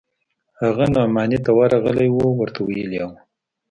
هغه نعماني ته ورغلى و ورته ويلي يې و.